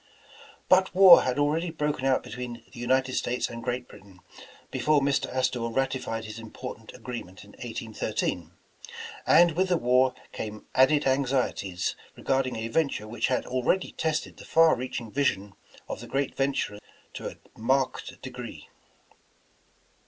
But war had already broken out between the United States and Great Britain, before Mr. Astor ratified his important agreement in 1813, and with the war came added anxieties regarding a venture which had already tested the far reaching vision of the gi^eal venturer to a marked degree.